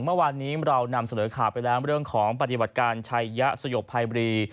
เมื่อวานนี้เรานำเสนอข่าวไปแล้วเรื่องของปฏิบัติการชัยยะสยบภัยบรี